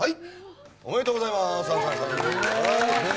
おめでとうございます。